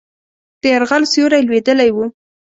د یرغل سیوری لوېدلی وو.